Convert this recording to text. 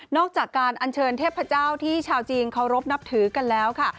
อกจากการอัญเชิญเทพเจ้าที่ชาวจีนเคารพนับถือกันแล้วค่ะ